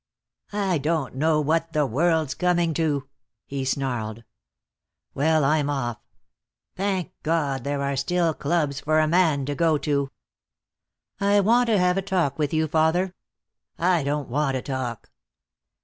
"I don't know what the world's coming to," he snarled. "Well, I'm off. Thank God, there are still clubs for a man to go to." "I want to have a talk with you, father." "I don't want to talk."